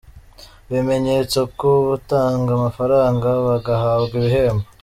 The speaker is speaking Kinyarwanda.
Ibimenyetso ku batanga amafaranga bagahabwa ibihembo’.